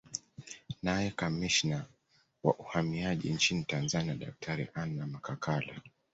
Naye Kamishna wa Uhamiaji nchini Tanzania Daktari Anna Makakala